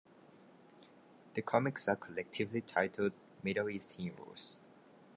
The comics are collectively titled "Middle East Heroes".